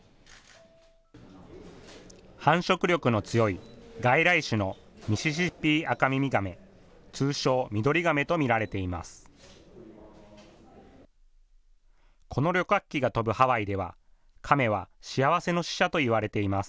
繁殖力の強い外来種のミシシッピアカミミガメ、通称ミドリガメと見られています。